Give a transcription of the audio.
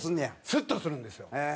スッとするんですよ。